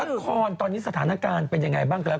นักฮอลตอนนี้สถานการณ์เป็นอย่างไรบ้างก็แล้ว